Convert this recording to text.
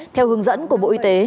theo hướng dẫn của bộ y tế